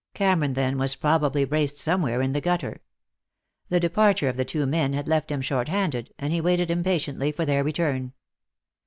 Cameron, then, was probably braced somewhere in the gutter. The departure of the two men had left him short handed, and he waited impatiently for their return.